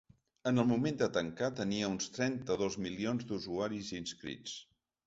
En el moment de tancar, tenia uns trenta-dos milions d’usuaris inscrits.